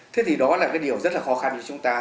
thế thì đó là cái điều rất là khó khăn cho chúng ta